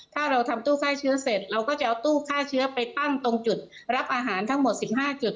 ถ้าเราทำตู้ฆ่าเชื้อเสร็จเราก็จะเอาตู้ฆ่าเชื้อไปตั้งตรงจุดรับอาหารทั้งหมด๑๕จุด